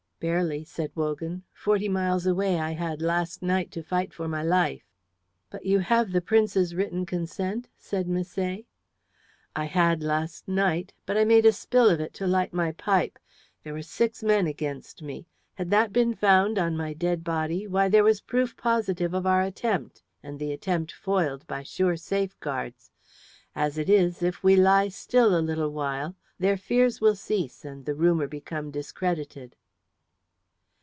"Barely," said Wogan. "Forty miles away I had last night to fight for my life." "But you have the Prince's written consent?" said Misset. "I had last night, but I made a spill of it to light my pipe. There were six men against me. Had that been found on my dead body, why, there was proof positive of our attempt, and the attempt foiled by sure safeguards. As it is, if we lie still a little while, their fears will cease and the rumour become discredited."